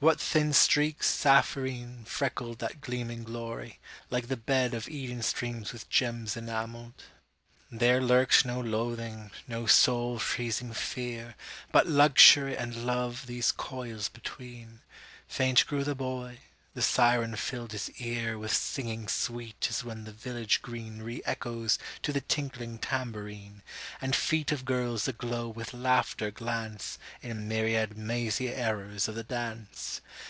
what thin streaks sapphirineFreckled that gleaming glory, like the bedOf Eden streams with gems enamelled! There lurked no loathing, no soul freezing fear, But luxury and love these coils between:Faint grew the boy; the siren filled his earWith singing sweet as when the village greenRe echoes to the tinkling tambourine, And feet of girls aglow with laughter glanceIn myriad mazy errors of the dance.